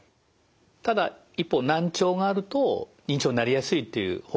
ただ一方難聴があると認知症になりやすいという報告があるんですよ。